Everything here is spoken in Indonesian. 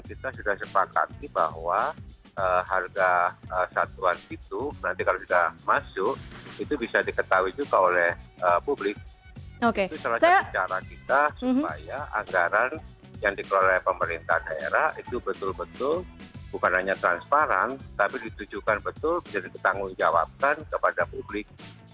itu salah satu cara kita supaya anggaran yang dikelola pemerintahan daerah itu betul betul bukan hanya transparan tapi ditujukan betul jadi ketangguh jawabkan kepada publik